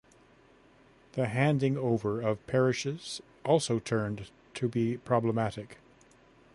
The handing over of parishes also turned to be problematic.